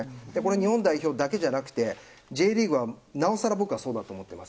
日本代表だけじゃなくてＪリーグはなおさらそうだと思います。